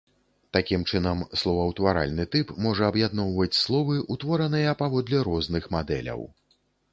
Такім чынам, словаўтваральны тып можа аб'ядноўваць словы, утвораныя паводле розных мадэляў.